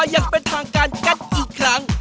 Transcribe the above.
อย่างเป็นทางการกันอีกครั้ง